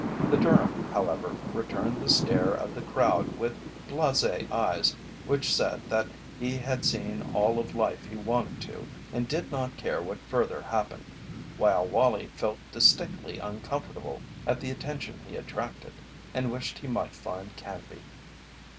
The Durham, however, returned the stare of the crowd with blasé eyes which said that he had seen all of life he wanted to and did not care what further happened, while Wallie felt distinctly uncomfortable at the attention he attracted, and wished he might find Canby.